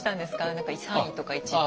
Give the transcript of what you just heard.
何か３位とか１位とか。